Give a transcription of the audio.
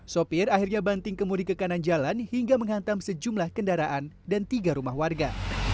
sopir akhirnya banting kemudi ke kanan jalan hingga menghantam sejumlah kendaraan dan tiga rumah warga